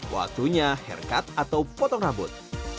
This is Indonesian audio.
waktunya haircut atau potong rambut